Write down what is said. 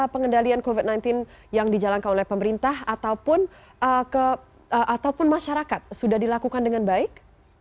pengendalian covid sembilan belas yang dijalankan oleh pemerintah ataupun masyarakat sudah dilakukan dengan baik